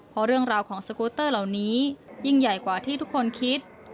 เพราะเรื่องราวของสกูตเตอร์เหล่านี้ยิ่งใหญ่กว่าที่ทุกคนคิด